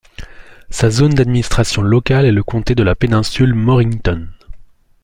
Sa zone d'administration locale est le comté de la péninsule Mornington.